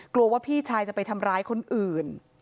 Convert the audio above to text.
กลัวว่าพี่ชายจะไปทำร้ายคนอื่น